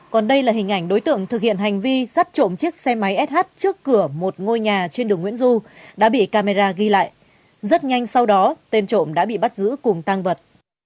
còn đây là hình ảnh đối tượng thực hiện hành vi sắt trộm chiếc xe máy sh trước cửa một ngôi nhà trên đường nguyễn du đã bị camera ghi lại rất nhanh sau đó tên trộm đã bị bắt giữ cùng tăng vật